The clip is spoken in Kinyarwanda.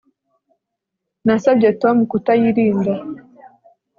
Nasabye Tom kutayirinda